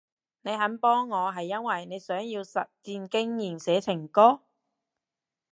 你肯幫我係因為你想要實戰經驗寫情歌？